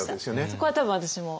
そこは多分私も。